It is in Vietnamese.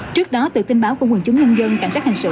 trước đó từ tin báo của quyền chúng nhân dân cảnh sát hành sự